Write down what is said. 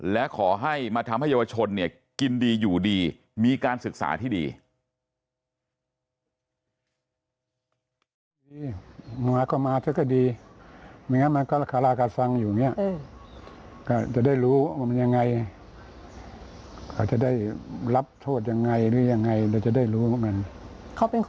และขอให้มาทำให้เยาวชนกินดีอยู่ดีมีการศึกษาที่ดี